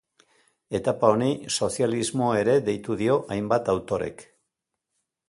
Etapa honi sozialismo ere deitu dio hainbat autorek.